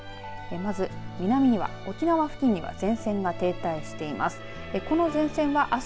まず、南には、沖縄付近には前線が停滞してます。